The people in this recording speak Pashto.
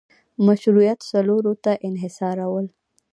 مشروعیت څلورو ته انحصارول